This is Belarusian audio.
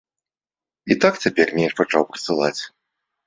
І так цяпер менш пачаў прысылаць.